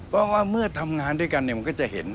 เพราะว่าเมื่อทำงานด้วยกันเนี่ยมันก็จะเห็น